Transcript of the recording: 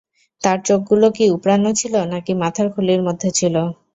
তার চোখগুলো কি উপড়ানো ছিলো নাকি মাথার খুলির মধ্যে ছিলো?